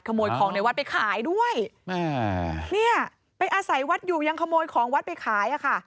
ขโมยของในวัดไปขายด้วยไปอาศัยวัดอยู่ยังขโมยของวัดไปขาย